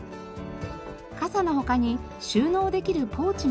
傘の他に収納できるポーチも開発。